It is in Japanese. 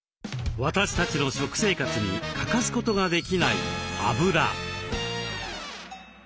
私たちの食生活に欠かすことができないあぶら。